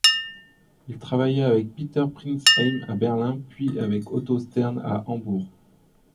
Il travailla avec Peter Pringsheim à Berlin puis avec Otto Stern à Hambourg.